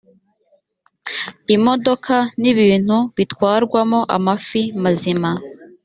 imodoka n ibintu bitwarwamo amafi mazima